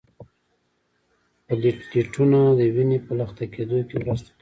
پلیټلیټونه د وینې په لخته کیدو کې مرسته کوي